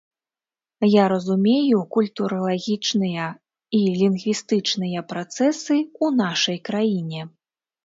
Я разумею культуралагічныя і лінгвістычныя працэсы ў нашай краіне.